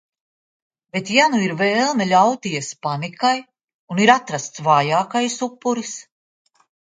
Bet, ja nu ir vēlme ļauties panikai... un ir atrasts vājākais upuris...